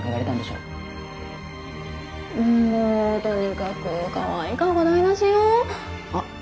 ううんもうとにかくかわいい顔が台なしよあっ